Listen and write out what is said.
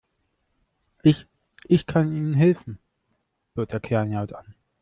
Ich, ich kann Ihnen helfen, bot er kleinlaut an.